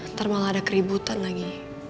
ntar malah ada keributan lagi